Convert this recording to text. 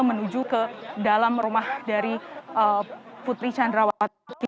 menuju ke dalam rumah dari putri candrawati